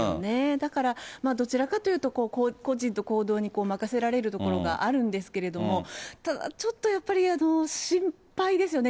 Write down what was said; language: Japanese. だから、どちらかというと、個人の行動に任せられるところがあるんですけれども、ただちょっとやっぱり、心配ですよね。